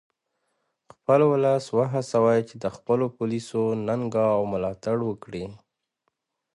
خپل ولس و هڅوئ چې د خپلو پولیسو ننګه او ملاتړ وکړي